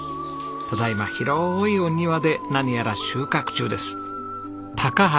ただ今広いお庭で何やら収穫中です。